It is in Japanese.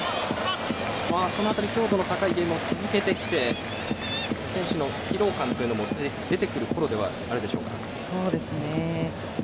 その辺り、強度の高いゲームを続けてきて選手の疲労感というのも出てくるころではあるでしょうか。